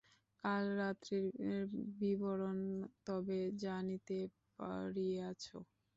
কাল রাত্রের বিবরণ তবে জানিতে পারিয়াছ।